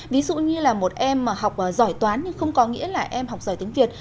ví dụ như là một em học giỏi toán nhưng không có nghĩa là em học giỏi tiếng việt